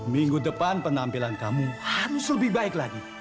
minggu depan penampilan kamu harus lebih baik lagi